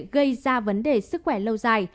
gây ra vấn đề sức khỏe lâu dài